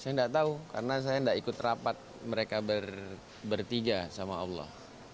saya nggak tahu karena saya tidak ikut rapat mereka bertiga sama allah